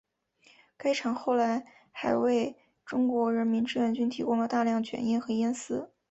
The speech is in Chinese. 该厂后来还为中国人民志愿军提供了大量卷烟和烟丝。